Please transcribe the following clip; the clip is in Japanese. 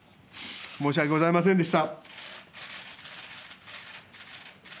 申し訳ございませんでした。